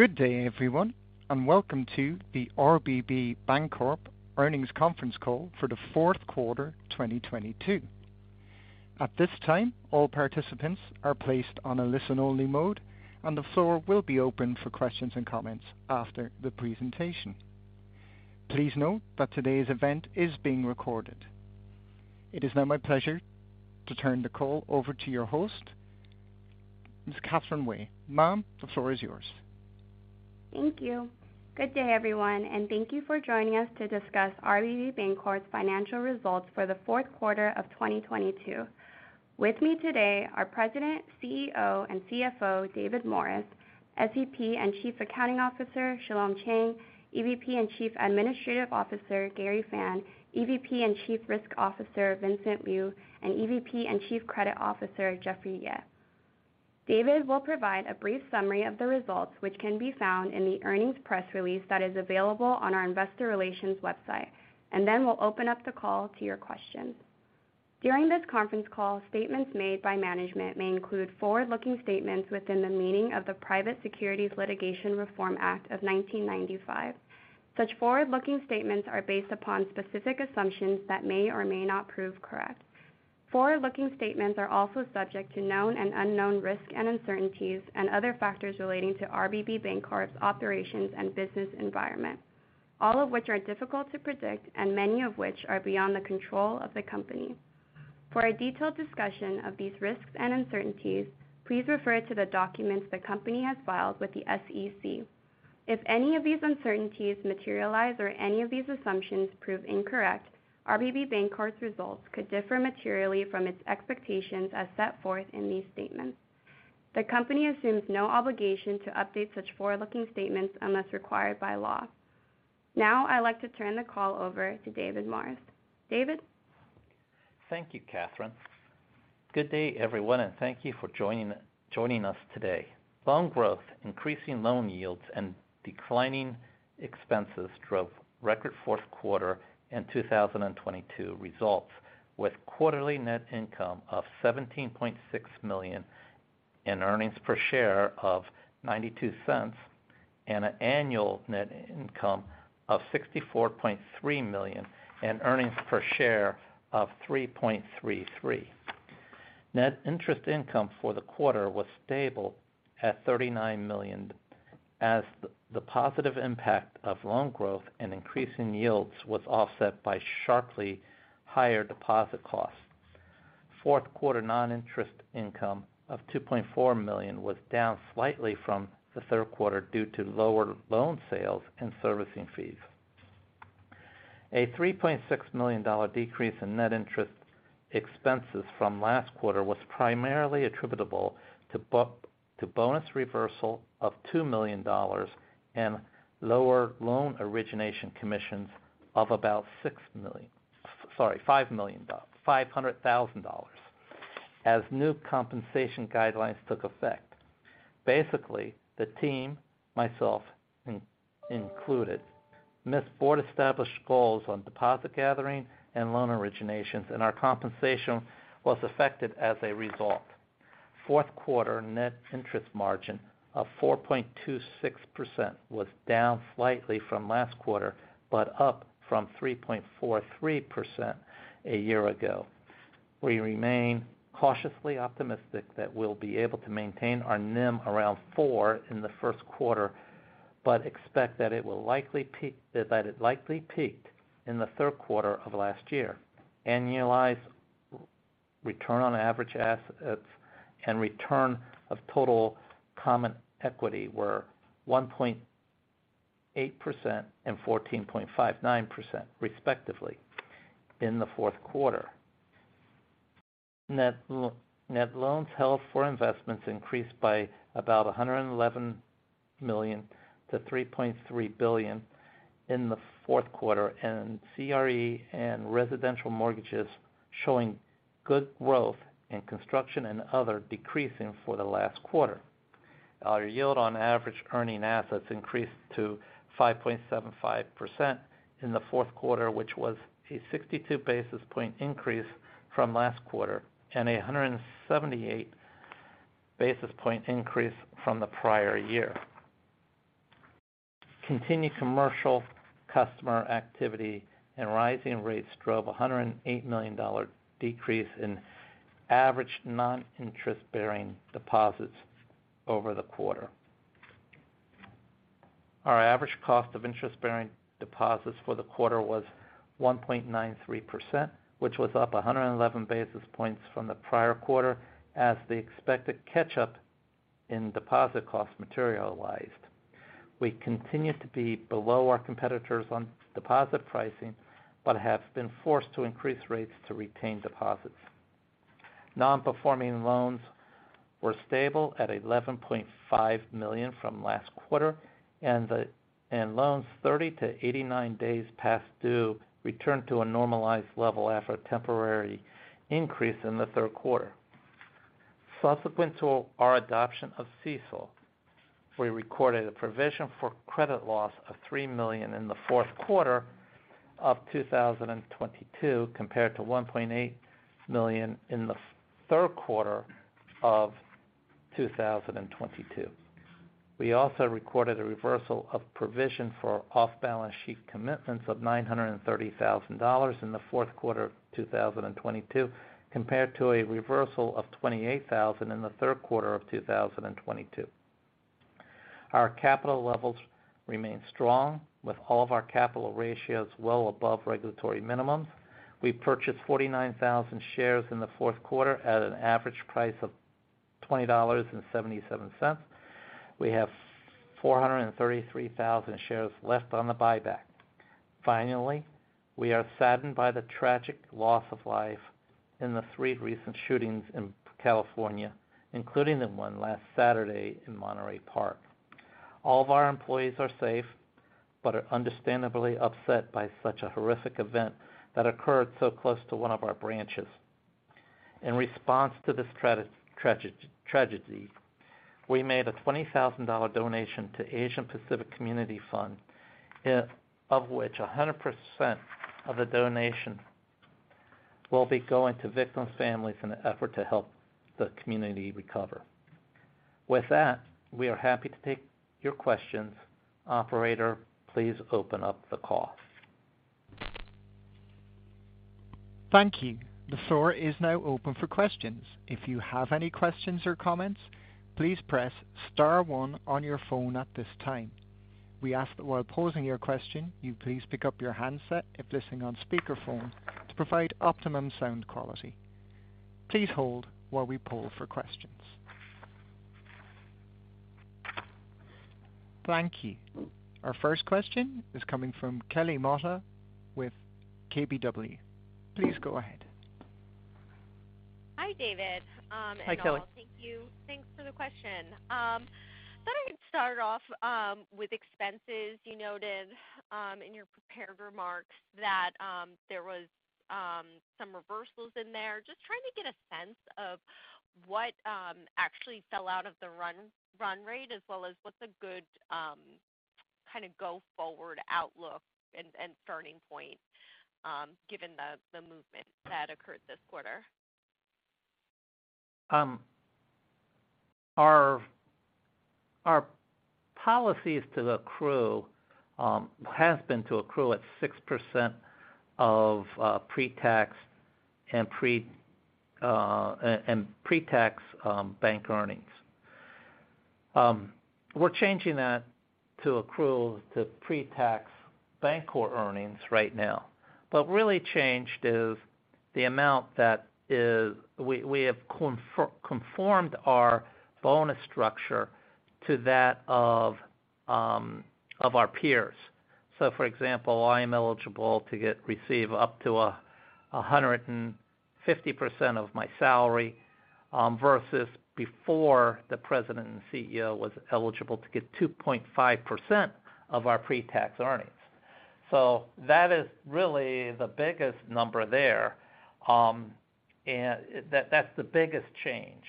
Good day, everyone, and welcome to the RBB Bancorp Earnings Conference Call for the fourth quarter 2022. At this time, all participants are placed on a listen-only mode, and the floor will be open for questions and comments after the presentation. Please note that today's event is being recorded. It is now my pleasure to turn the call over to your host, Ms. Catherine Wei. Ma'am, the floor is yours. Thank you. Good day, everyone, thank you for joining us to discuss RBB Bancorp's financial results for the fourth quarter of 2022. With me today are President, CEO, and CFO, David Morris, SVP and Chief Accounting Officer, Shalom Chang, EVP and Chief Administrative Officer, Gary Fan, EVP and Chief Risk Officer, Vincent Liu, and EVP and Chief Credit Officer, Jeffrey Yeh. David will provide a brief summary of the results, which can be found in the earnings press release that is available on our investor relations website. Then we'll open up the call to your questions. During this conference call, statements made by management may include forward-looking statements within the meaning of the Private Securities Litigation Reform Act of 1995. Such forward-looking statements are based upon specific assumptions that may or may not prove correct. Forward-looking statements are also subject to known and unknown risks and uncertainties and other factors relating to RBB Bancorp's operations and business environment, all of which are difficult to predict and many of which are beyond the control of the company. For a detailed discussion of these risks and uncertainties, please refer to the documents the company has filed with the SEC. If any of these uncertainties materialize or any of these assumptions prove incorrect, RBB Bancorp's results could differ materially from its expectations as set forth in these statements. The company assumes no obligation to update such forward-looking statements unless required by law. Now I'd like to turn the call over to David Morris. David? Thank you, Catherine. Good day, everyone, and thank you for joining us today. Loan growth, increasing loan yields, and declining expenses drove record fourth quarter in 2022 results, with quarterly net income of $17.6 million and earnings per share of $0.92 and an annual net income of $64.3 million and earnings per share of $3.33. Net interest income for the quarter was stable at $39 million as the positive impact of loan growth and increasing yields was offset by sharply higher deposit costs. Fourth quarter non-interest income of $2.4 million was down slightly from the third quarter due to lower loan sales and servicing fees. A $3.6 million decrease in net interest expenses from last quarter was primarily attributable to bonus reversal of $2 million and lower loan origination commissions of about $500,000 as new compensation guidelines took effect. Basically, the team, myself included, missed board-established goals on deposit gathering and loan originations, and our compensation was affected as a result. Fourth quarter net interest margin of 4.26% was down slightly from last quarter, but up from 3.43% a year ago. We remain cautiously optimistic that we'll be able to maintain our NIM around 4% in the first quarter, but expect that it will likely peak that it likely peaked in the third quarter of last year. Annualized return on average assets and return of total common equity were 1.8% and 14.59% respectively in the fourth quarter. Net loans held for investments increased by about $111 million to $3.3 billion in the fourth quarter, and CRE and residential mortgages showing good growth, and construction and other decreasing for the last quarter. Our yield on average earning assets increased to 5.75% in the fourth quarter, which was a 62 basis point increase from last quarter and a 178 basis point increase from the prior year. Continued commercial customer activity and rising rates drove a $108 million decrease in average non-interest-bearing deposits over the quarter. Our average cost of interest-bearing deposits for the quarter was 1.93%, which was up 111 basis points from the prior quarter as the expected catch-up in deposit costs materialized. We continue to be below our competitors on deposit pricing but have been forced to increase rates to retain deposits. Non-performing loans were stable at $11.5 million from last quarter, and loans 30-89 days past due returned to a normalized level after a temporary increase in the third quarter. Subsequent to our adoption of CECL, we recorded a provision for credit loss of $3 million in the fourth quarter of 2022 compared to $1.8 million in the third quarter of 2022. We also recorded a reversal of provision for off-balance sheet commitments of $930,000 in the fourth quarter of 2022 compared to a reversal of $28,000 in the third quarter of 2022. Our capital levels remain strong with all of our capital ratios well above regulatory minimums. We purchased 49,000 shares in the fourth quarter at an average price of $20.77. We have 433,000 shares left on the buyback. We are saddened by the tragic loss of life in the three recent shootings in California, including the one last Saturday in Monterey Park. All of our employees are safe but are understandably upset by such a horrific event that occurred so close to one of our branches. In response to this tragedy, we made a $20,000 donation to Asian Pacific Community Fund, of which 100% of the donation will be going to victims' families in an effort to help the community recover. With that, we are happy to take your questions. Operator, please open up the call. Thank you. The floor is now open for questions. If you have any questions or comments, please press star one on your phone at this time. We ask that while posing your question, you please pick up your handset if listening on speakerphone to provide optimum sound quality. Please hold while we poll for questions. Thank you. Our first question is coming from Kelly Motta with KBW. Please go ahead. Hi, David. Hi, Kelly. All. Thank you. Thanks for the question. Thought I'd start off with expenses. You noted in your prepared remarks that there was some reversals in there. Just trying to get a sense of what actually fell out of the run rate as well as what's a good kind of go-forward outlook and turning point, given the movement that occurred this quarter. Our policies to accrue has been to accrue at 6% of pre-tax and pre-tax bank earnings. We're changing that to accrue to pre-tax Bancorp earnings right now. What really changed is the amount that we have conformed our bonus structure to that of our peers. For example, I am eligible to receive up to 150% of my salary versus before the president and CEO was eligible to get 2.5% of our pre-tax earnings. That is really the biggest number there, and that's the biggest change,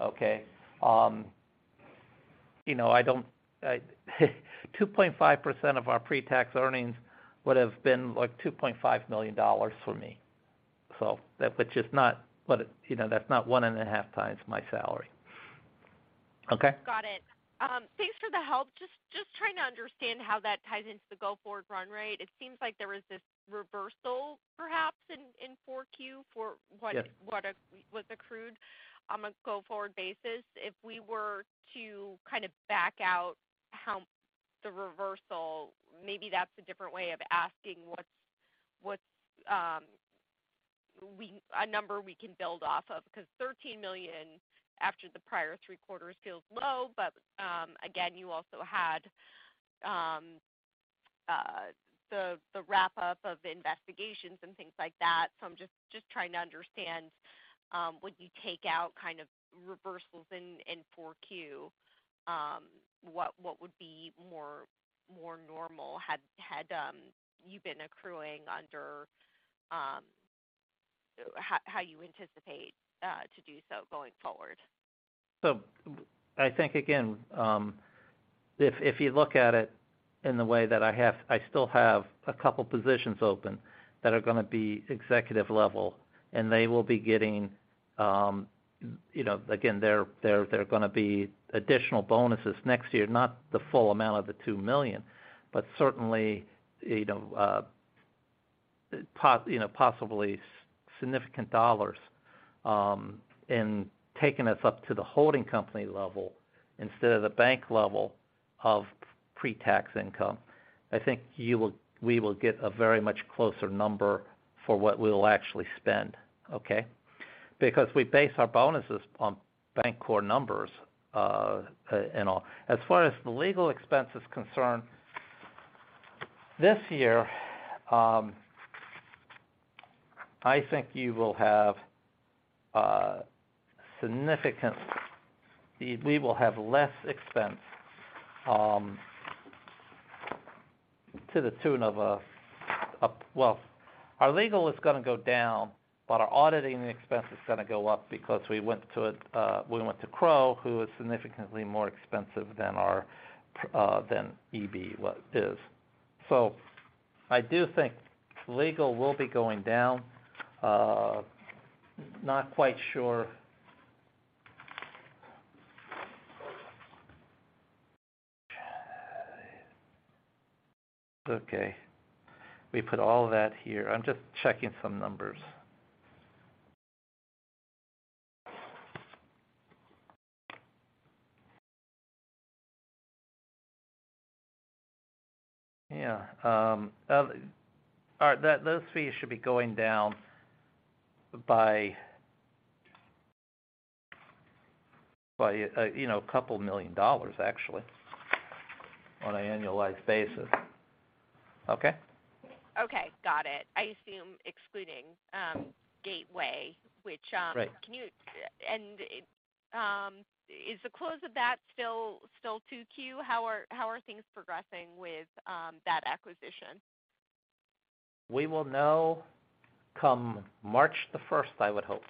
okay? You know, I 2.5% of our pre-tax earnings would have been like $2.5 million for me. Just not what it, you know, that's not one and a half times my salary. Okay? Got it. Thanks for the help. Just trying to understand how that ties into the go-forward run rate. It seems like there was this reversal perhaps in 4Q for what? Yeah. What was accrued on a go-forward basis. If we were to kind of back out how the reversal maybe that's a different way of asking what's a number we can build off of. Because $13 million after the prior three quarters feels low. Again, you also had the wrap up of investigations and things like that. I'm just trying to understand, would you take out kind of reversals in 4Q, what would be more normal had you been accruing under how you anticipate to do so going forward? I think again, if you look at it in the way that I have, I still have a couple positions open that are gonna be executive level and they will be getting, you know, again, there are gonna be additional bonuses next year, not the full amount of the $2 million but certainly, you know, possibly significant dollars in taking us up to the holding company level instead of the bank level of pre-tax income. I think we will get a very much closer number for what we'll actually spend, okay? Because we base our bonuses on Bancorp numbers and all. As far as the legal expense is concerned, this year, I think you will have a significant. We will have less expense, to the tune of a, well, our legal is gonna go down, but our auditing expense is gonna go up because we went to it, we went to Crowe, who is significantly more expensive than our, than EB was, is. I do think legal will be going down. Not quite sure. Okay. We put all that here. I'm just checking some numbers. Yeah. All right. Those fees should be going down by, you know, a couple million dollars actually on an annualized basis. Okay? Okay. Got it. I assume excluding, Gateway. Right. Is the close of that still 2Q? How are things progressing with, that acquisition? We will know come March the first, I would hope.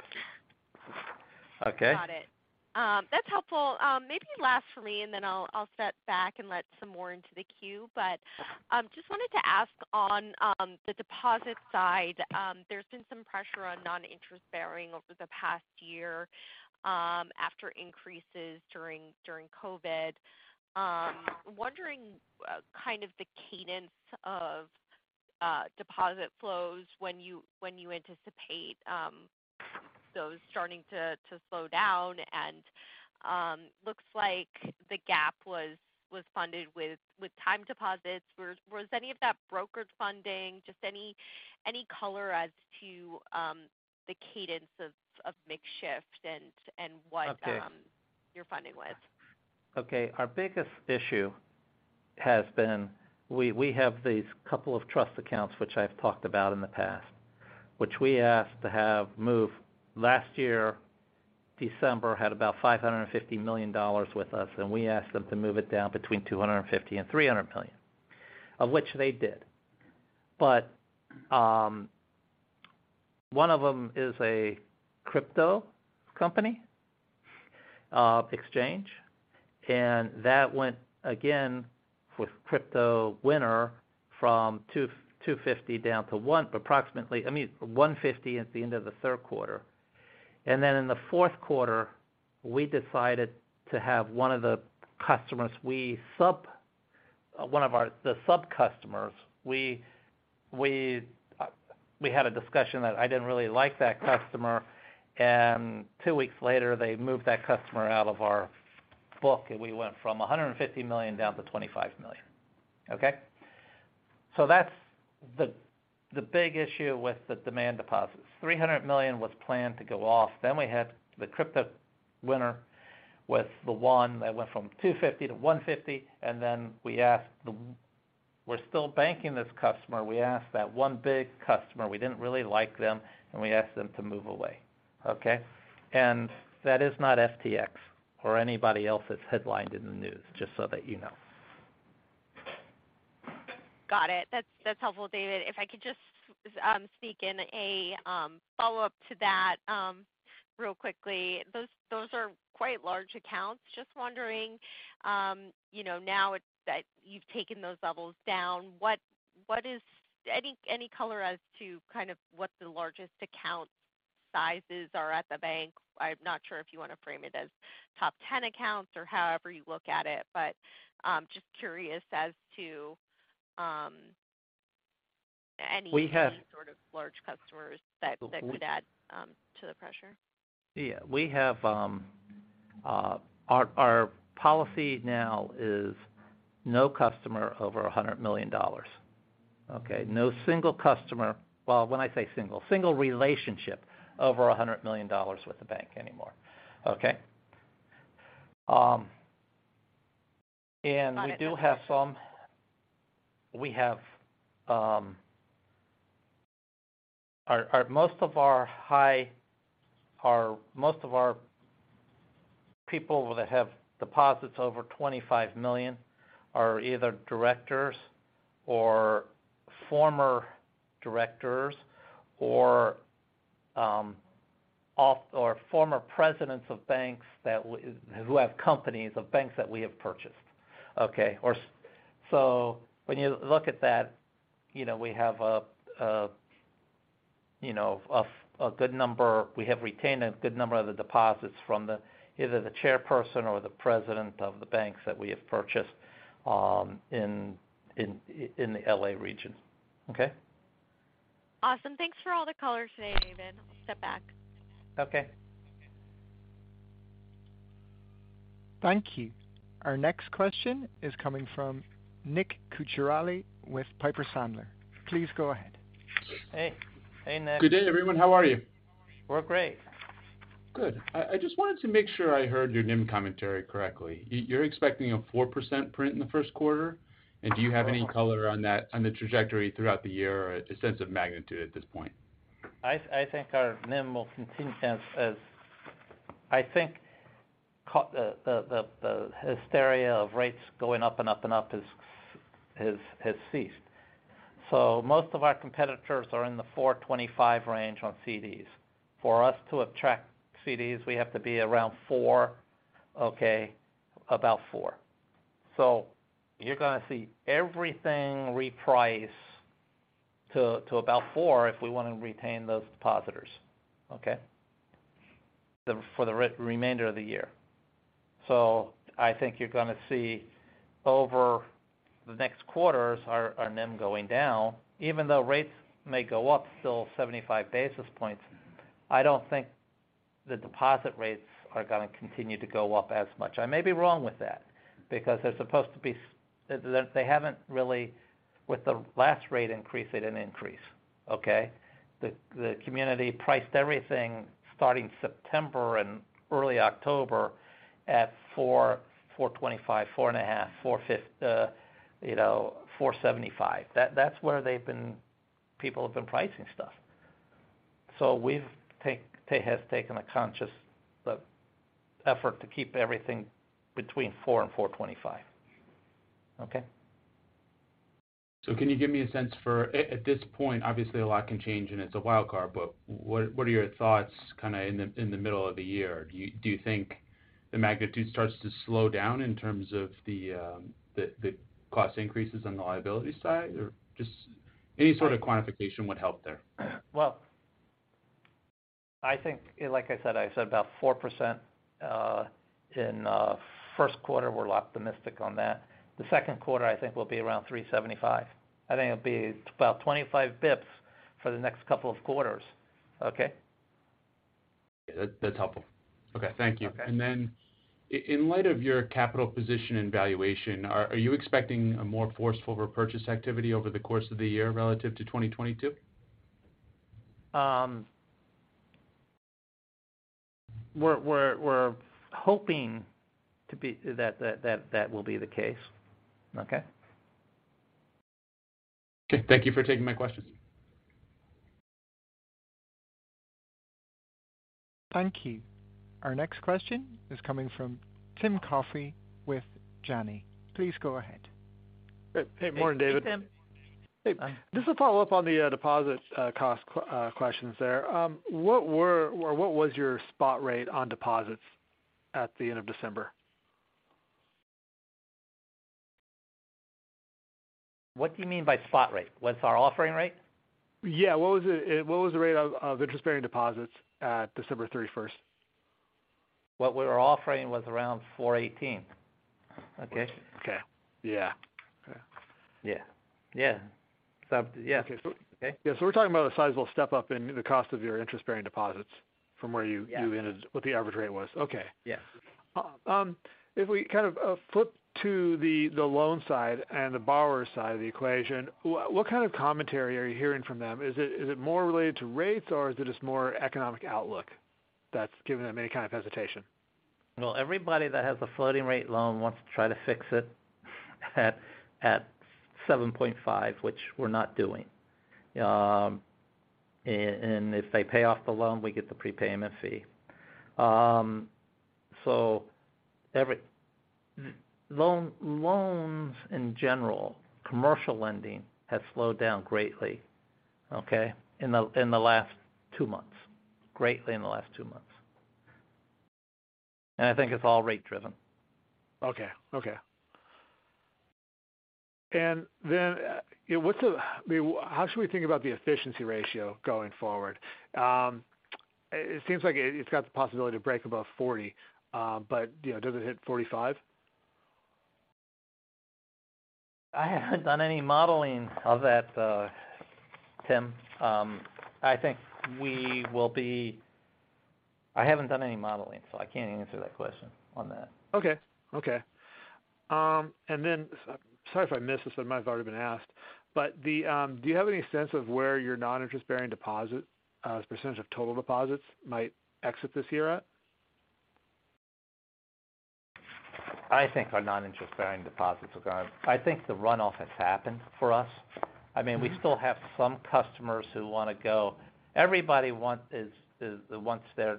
Okay? Got it. That's helpful. Maybe last for me, and then I'll step back and let some more into the queue. Just wanted to ask on the deposit side, there's been some pressure on non-interest bearing over the past year, after increases during COVID. Wondering kind of the cadence of deposit flows when you anticipate those starting to slow down. Looks like the gap was funded with time deposits. Was any of that brokered funding? Just any color as to the cadence of makeshift and what you're funding with. Okay. Our biggest issue has been we have these couple of trust accounts, which I've talked about in the past, which we asked to have moved. Last year, December had about $550 million with us. We asked them to move it down between $250 million-$300 million, of which they did. One of them is a crypto company exchange. That went again with crypto winter from 250 down to, approximately, I mean, 150 at the end of the third quarter. In the fourth quarter, we decided to have one of the customers one of our sub customers. We had a discussion that I didn't really like that customer. Two weeks later, they moved that customer out of our book, and we went from $150 million down to $25 million. Okay? That's the big issue with the demand deposits. $300 million was planned to go off. We had the crypto winter with the one that went from $250 to $150. We're still banking this customer. We asked that one big customer. We didn't really like them, and we asked them to move away. Okay? That is not FTX or anybody else that's headlined in the news, just so that you know. Got it. That's helpful, David. If I could just sneak in a follow-up to that real quickly. Those are quite large accounts. Just wondering, you know, now it's that you've taken those levels down. What is any color as to kind of what the largest account sizes are at the bank? I'm not sure if you wanna frame it as top 10 accounts or however you look at it, but just curious as to any sort of large customers that could add to the pressure. We have. Our policy now is no customer over $100 million. Okay? No single customer. When I say single relationship over $100 million with the bank anymore. Okay? We do have some. We have. Most of our people that have deposits over $25 million are either directors or former directors or former presidents of banks who have companies of banks that we have purchased. Okay? When you look at that, you know, we have a good number. We have retained a good number of the deposits from the, either the chairperson or the president of the banks that we have purchased in the L.A. region. Okay? Awesome. Thanks for all the color today, David. I'll step back. Okay. Thank you. Our next question is coming from Nick Cucinella with Piper Sandler. Please go ahead. Hey. Hey, Nick. Good day, everyone. How are you? We're great. Good. I just wanted to make sure I heard your NIM commentary correctly. You're expecting a 4% print in the first quarter? Do you have any color on that, on the trajectory throughout the year or a sense of magnitude at this point? I think our NIM will continue to the hysteria of rates going up and up and up has ceased. Most of our competitors are in the $4.25 range on CDs. For us to attract CDs, we have to be around $4.00, okay, about $4.00. You're gonna see everything reprice to about $4.00 if we wanna retain those depositors, okay? remainder of the year. I think you're gonna see over the next quarters our NIM going down, even though rates may go up still 75 basis points, I don't think the deposit rates are gonna continue to go up as much. I may be wrong with that because they're supposed to be They haven't really-- with the last rate increase, they didn't increase, okay? The community priced everything starting September and early October at 4.25, four and a half, you know, 4.75. That's where they've been, people have been pricing stuff. has taken a conscious effort to keep everything between four and 4.25. Okay? Can you give me a sense for? At this point, obviously a lot can change and it's a wild card, but what are your thoughts kinda in the middle of the year? Do you think the magnitude starts to slow down in terms of the cost increases on the liability side? Just any sort of quantification would help there. Well, I think, like I said, I said about 4% in first quarter we're optimistic on that. The second quarter I think will be around 3.75. I think it'll be about 25 bips for the next couple of quarters. Okay? That's helpful. Okay. Thank you. Okay. In light of your capital position and valuation, are you expecting a more forceful repurchase activity over the course of the year relative to 2022? That will be the case. Okay? Okay. Thank you for taking my questions. Thank you. Our next question is coming from Tim Coffey with Janney. Please go ahead. Hey. Morning, David. Hey, Tim. Hey. Just to follow up on the deposit, cost, questions there. What was your spot rate on deposits at the end of December? What do you mean by spot rate? What's our offering rate? Yeah. What was the, what was the rate of interest-bearing deposits at December thirty-first? What we were offering was around $4.18. Okay? Okay. Yeah. Okay. Yeah. Yeah. Yeah. Okay. Okay. Yeah. We're talking about a sizable step up in the cost of your interest-bearing deposits from where you... Yeah. You ended, what the average rate was? Okay. Yeah. If we kind of, flip to the loan side and the borrower side of the equation, what kind of commentary are you hearing from them? Is it, is it more related to rates or is it just more economic outlook that's giving them any kind of hesitation? Everybody that has a floating rate loan wants to try to fix it at 7.5, which we're not doing. If they pay off the loan, we get the prepayment fee. Loans in general, commercial lending has slowed down greatly, okay, in the last two months. Greatly in the last two months. I think it's all rate driven. Okay. Okay. Then, I mean, how should we think about the efficiency ratio going forward? It seems like it's got the possibility to break above 40, but, you know, does it hit 45? I haven't done any modeling of that, Tim. I haven't done any modeling, so I can't answer that question on that. Okay. Okay. Sorry if I missed this, it might have already been asked, but do you have any sense of where your non-interest-bearing deposit as a percentage of total deposits might exit this year at? I think the runoff has happened for us. I mean. We still have some customers who wanna go. Everybody wants their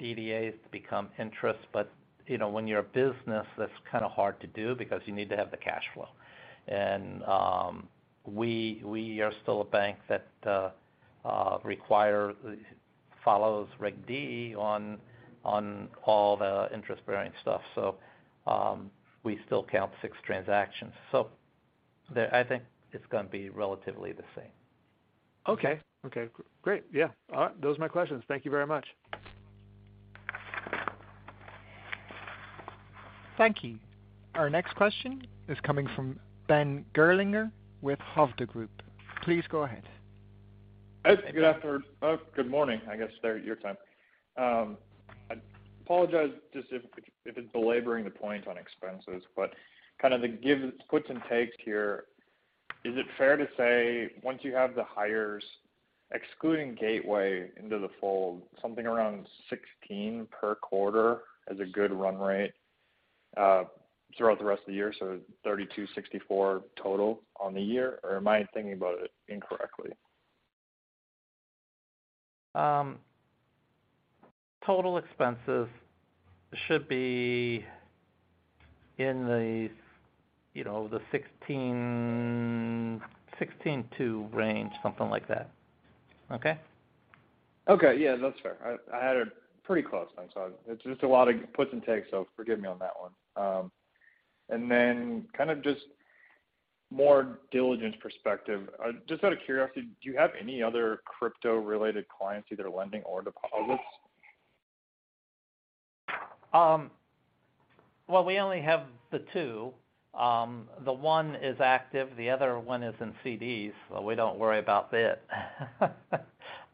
DDAs to become interest, but, you know, when you're a business, that's kind of hard to do because you need to have the cash flow. We are still a bank that follows Regulation D on all the interest-bearing stuff. We still count six transactions. I think it's gonna be relatively the same. Okay. Okay. Great. Yeah. All right. Those are my questions. Thank you very much. Thank you. Our next question is coming from Ben Gerlinger with Hovde Group. Please go ahead. Good afternoon. Good morning, I guess there at your time. I apologize just if it's belaboring the point on expenses, but kind of the puts and takes here, is it fair to say once you have the hires excluding Gateway into the fold, something around $16 per quarter is a good run rate, throughout the rest of the year, so $32, $64 total on the year? Am I thinking about it incorrectly? Total expenses should be in the, you know, the 16 to range, something like that. Okay? Okay. Yeah, that's fair. I had it pretty close then. It's just a lot of gives and takes, so forgive me on that one. Then kind of just more diligence perspective. Just out of curiosity, do you have any other crypto-related clients, either lending or deposits? Well, we only have the two. The one is active, the other one is in CDs, so we don't worry about it.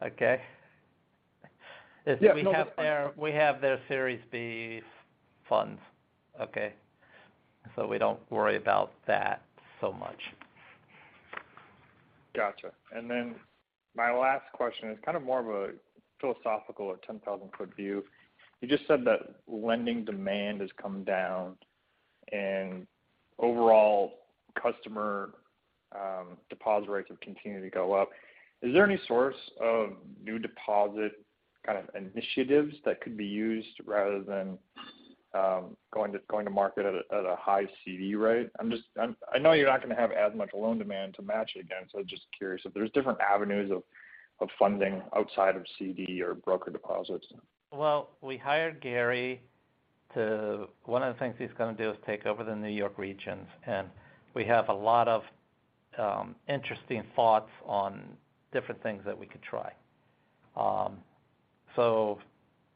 Okay? Yeah, no, that's fine. We have their Series B funds. Okay? We don't worry about that so much. Gotcha. Then my last question is kind of more of a philosophical or 10,000-foot view. You just said that lending demand has come down and overall customer, deposit rates have continued to go up. Is there any source of new deposit kind of initiatives that could be used rather than, going to market at a, at a high CD rate? I know you're not going to have as much loan demand to match against. Just curious if there's different avenues of funding outside of CD or broker deposits. Well, we hired Gary. One of the things he's gonna do is take over the New York regions, and we have a lot of interesting thoughts on different things that we could try.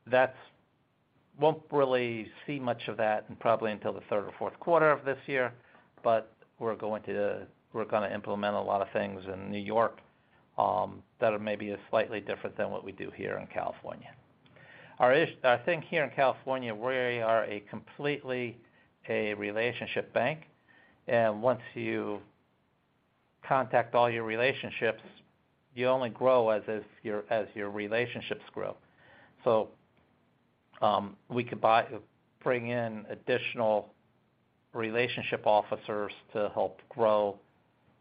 That won't really see much of that probably until the third or fourth quarter of this year, but we're gonna implement a lot of things in New York that are maybe slightly different than what we do here in California. I think here in California, we are a completely a relationship bank. Once you contact all your relationships, you only grow as your relationships grow. We could bring in additional relationship officers to help grow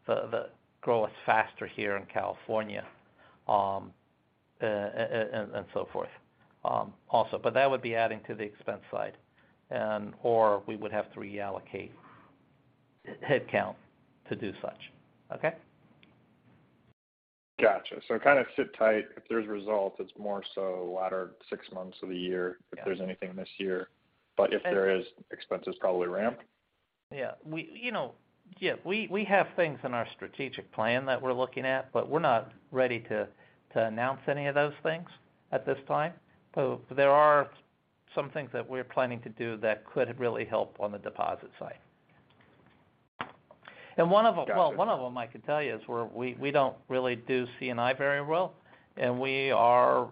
us faster here in California, and so forth, also. That would be adding to the expense side and/or we would have to reallocate headcount to do such. Okay? Gotcha. kind of sit tight. If there's results, it's more so latter six months of the year- Yeah. If there's anything this year. If there is, expenses probably ramp. Yeah. We, you know, we have things in our strategic plan that we're looking at, but we're not ready to announce any of those things at this time. There are some things that we're planning to do that could really help on the deposit side. One of them I can tell you is we don't really do C&I very well, and we are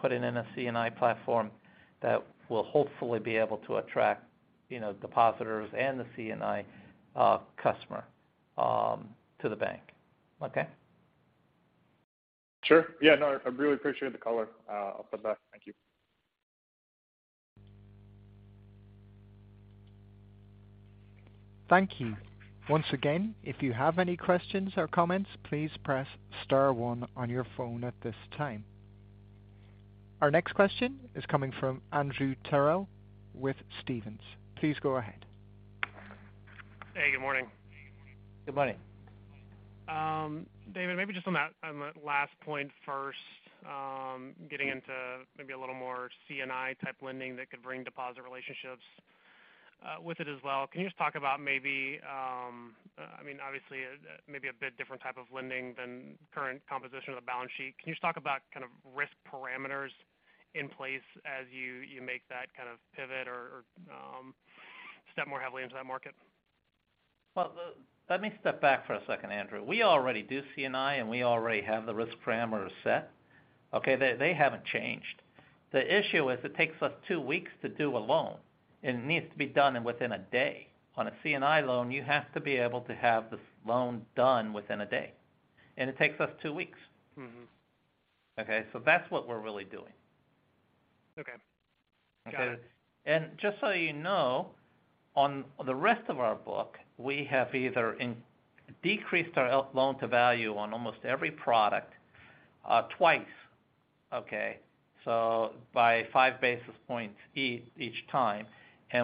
putting in a C&I platform that will hopefully be able to attract, you know, depositors and the C&I customer to the bank. Okay? Sure. Yeah. No, I really appreciate the color. I'll step back. Thank you. Thank you. Once again, if you have any questions or comments, please press star one on your phone at this time. Our next question is coming from Andrew Terrell with Stephens. Please go ahead. Hey, good morning. Good morning. David, maybe just on that, on that last point first, getting into maybe a little more C&I type lending that could bring deposit relationships with it as well. Can you just talk about maybe, I mean, obviously maybe a bit different type of lending than current composition of the balance sheet. Can you just talk about kind of risk parameters in place as you make that kind of pivot or step more heavily into that market? Well, let me step back for a second, Andrew. We already do C&I, and we already have the risk parameters set. Okay? They haven't changed. The issue is it takes us two weeks to do a loan, and it needs to be done within a day. On a C&I loan, you have to be able to have the loan done within a day, and it takes us two weeks. Okay? That's what we're really doing. Okay. Got it. Just so you know, on the rest of our book, we have either decreased our loan-to-value on almost every product twice, okay, so by 5 basis points each time.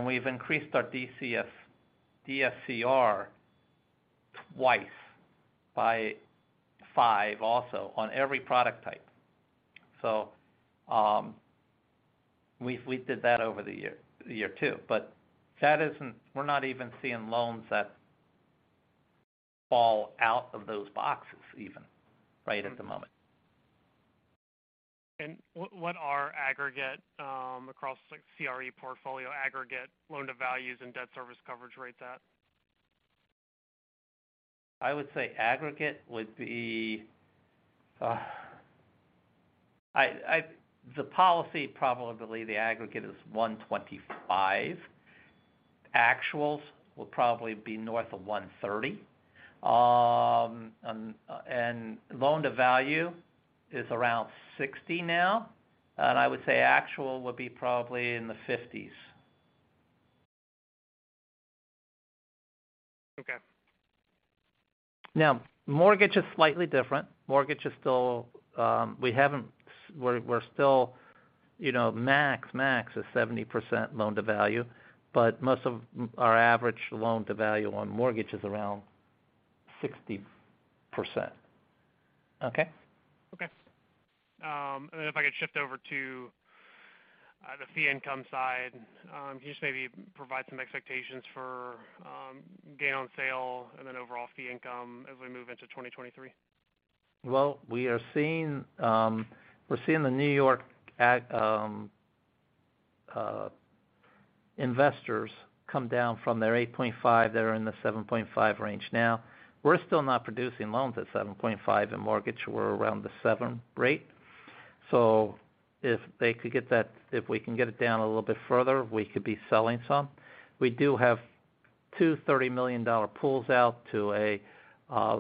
We've increased our DSCR twice by five also on every product type. We did that over the year two, but that isn't we're not even seeing loans that fall out of those boxes even right at the moment. What are aggregate, across like CRE portfolio aggregate loan-to-values and debt service coverage rate at? I would say aggregate would be. I the policy, probably the aggregate is 125. Actuals will probably be north of 130. loan-to-value is around 60 now, and I would say actual would be probably in the 50s. Okay. Now mortgage is slightly different. Mortgage is still, we're still, you know, max is 70% loan-to-value, but most of our average loan-to-value on mortgage is around 60%. Okay? Okay. If I could shift over to the fee income side, can you just maybe provide some expectations for gain on sale and then overall fee income as we move into 2023? We are seeing, we're seeing the New York investors come down from their 8.5. They're in the 7.5 range now. We're still not producing loans at 7.5. In mortgage, we're around the 7% rate. If we can get it down a little bit further, we could be selling some. We do have $230 million pools out to a not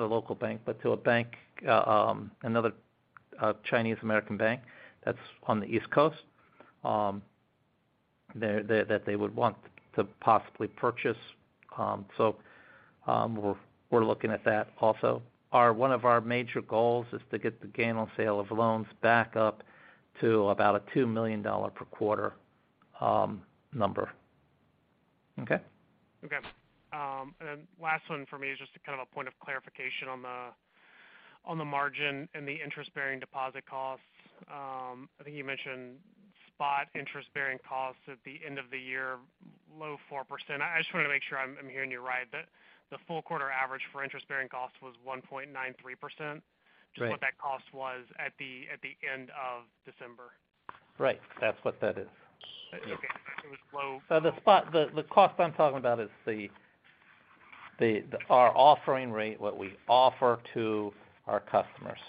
a local bank, but to a bank, another Chinese American bank that's on the East Coast, that they would want to possibly purchase. We're looking at that also. One of our major goals is to get the gain on sale of loans back up to about a $2 million per quarter number. Okay? Okay. Last one for me is just kind of a point of clarification on the, on the margin and the interest-bearing deposit costs. I think you mentioned spot interest-bearing costs at the end of the year, low 4%. I just wanna make sure I'm hearing you right, the full quarter average for interest-bearing costs was 1.93%. Right. Just what that cost was at the end of December. Right. That's what that is. Yeah. Okay. It was low. The cost I'm talking about is the our offering rate, what we offer to our customers.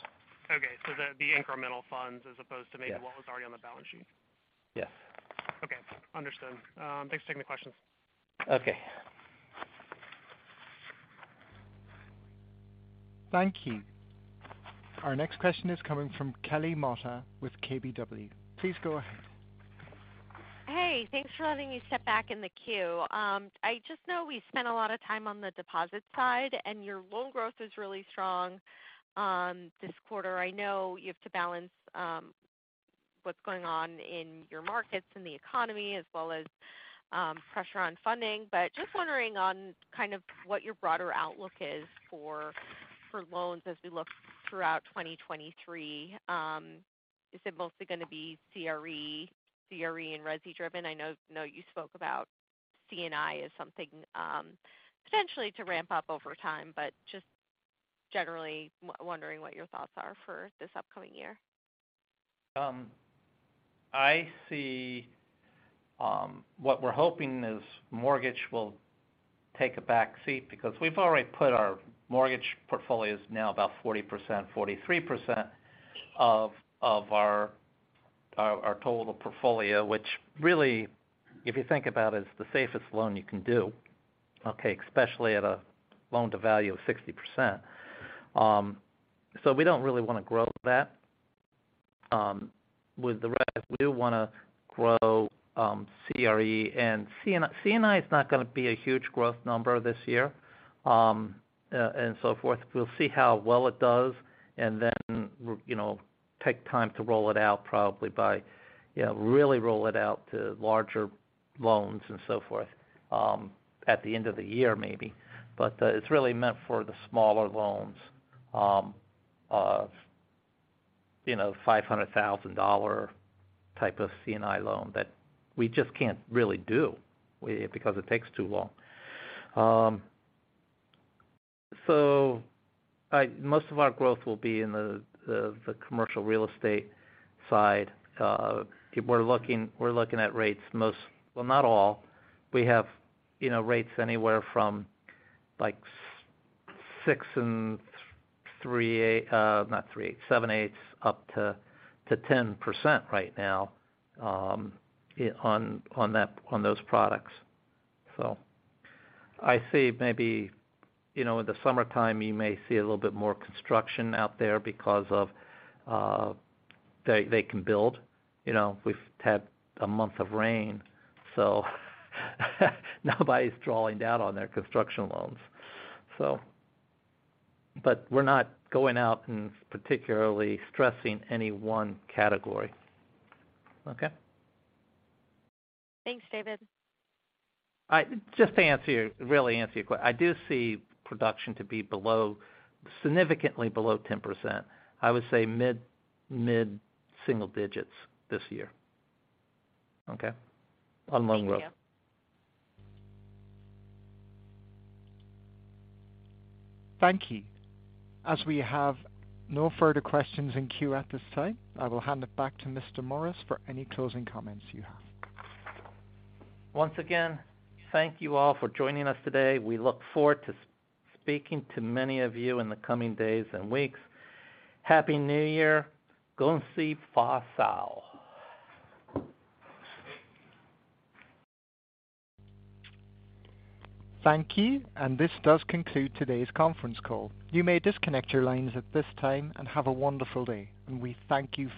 Okay. The incremental funds as opposed to maybe loans already on the balance sheet. Yes. Okay. Understood. thanks for taking the questions. Okay. Thank you. Our next question is coming from Kelly Martin with KBW. Please go ahead. Hey, thanks for letting me step back in the queue. I just know we spent a lot of time on the deposit side, and your loan growth is really strong this quarter. I know you have to balance what's going on in your markets and the economy as well as pressure on funding. Just wondering on kind of what your broader outlook is for loans as we look throughout 2023. Is it mostly gonna be CRE and resi-driven? I know you spoke about C&I as something potentially to ramp up over time, but just generally wondering what your thoughts are for this upcoming year. What we're hoping is mortgage will take a back seat because we've already put our mortgage portfolios now about 40%, 43% of our total portfolio. Which really, if you think about, is the safest loan you can do, okay, especially at a loan-to-value of 60%. We don't really wanna grow that. With the rest, we do wanna grow CRE and C&I. C&I is not gonna be a huge growth number this year and so forth. We'll see how well it does and then, you know, take time to roll it out probably by, you know, really roll it out to larger loans and so forth at the end of the year maybe. It's really meant for the smaller loans, you know, $500,000 type of C&I loan that we just can't really do because it takes too long. Most of our growth will be in the commercial real estate side. We're looking at rates. Well, not all. We have, you know, rates anywhere from six and 7/8 up to 10% right now on that, on those products. I see maybe, you know, in the summertime you may see a little bit more construction out there because of they can build. You know, we've had a month of rain, nobody's drawing down on their construction loans. We're not going out and particularly stressing any one category. Okay? Thanks, David. I do see production to be below, significantly below 10%. I would say mid single digits this year. Okay? On loan growth. Thank you. Thank you. As we have no further questions in queue at this time, I will hand it back to Mr. Morris for any closing comments you have. Once again, thank you all for joining us today. We look forward to speaking to many of you in the coming days and weeks. Happy New Year. 恭喜发财. Thank you. This does conclude today's conference call. You may disconnect your lines at this time and have a wonderful day, and we thank you for your participation.